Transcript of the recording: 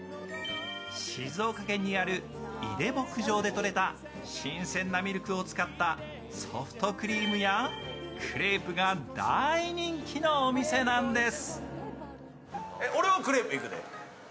静岡県にある井出牧場でとれた新鮮なミルクを使ったソフトクリームやクレープが大人気のお店なんです。